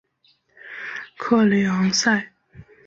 克雷昂塞。